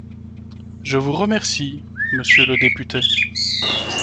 Je vous remercie, monsieur le député.